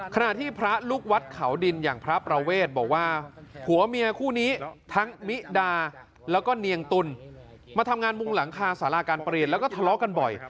ขณะที่พระลูกวัดเขาดินอย่างพระประเวทบอกว่าผัวเมียคู่นี้ทั้งมิดาแล้วก็เนียงตุลมาทำงานมุงหลังคาสาราการเปลี่ยนแล้วก็ทะเลาะกันบ่อย